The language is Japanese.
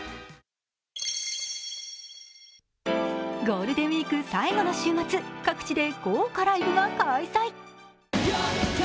ゴールデンウイーク最後の週末、各地で豪華ライブが開催。